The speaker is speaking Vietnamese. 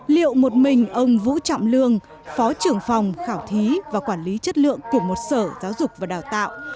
liệu một mình ông vũ trọng lương phó trưởng phòng khảo thí và quản lý chất lượng của một sở giáo dục và đào tạo